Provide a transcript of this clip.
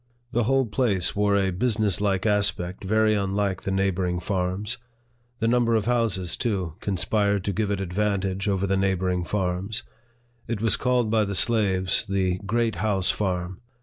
The whole place wore a business like aspect very unlike the neighboring farms. The number of houses, too, conspired to give it advantage over the neighboring farms. It was called by the slaves the Great House Farm.